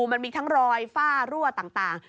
มันมีทั้งรอยฝ้ารั่วต่าง